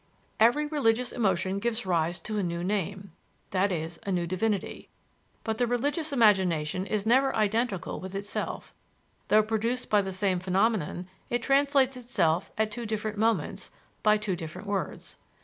"Every religious emotion gives rise to a new name i.e., a new divinity. But the religious imagination is never identical with itself; though produced by the same phenomenon, it translates itself, at two different moments, by two different words."